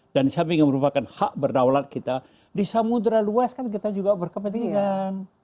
dan di samping yang merupakan hak berdaulat kita di samudera luas kan kita juga berkepentingan